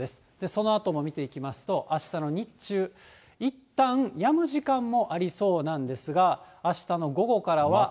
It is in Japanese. そのあとも見ていきますと、あしたの日中、いったんやむ時間もありそうなんですが、あしたの午後からは。